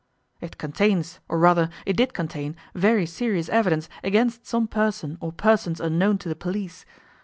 It contains, or rather, it did contain, very serious evidence against some person or persons unknown to the police.